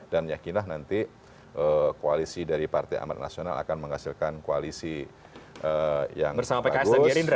dan yakinlah nanti koalisi dari partai amat nasional akan menghasilkan koalisi yang bagus